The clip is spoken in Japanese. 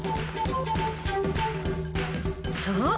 そう！